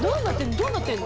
どうなってんの？